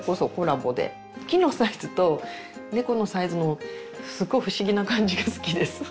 木のサイズと猫のサイズのすっごい不思議な感じが好きです。